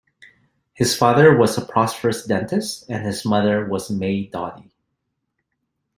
His father was a prosperous dentist and his mother was May Doty.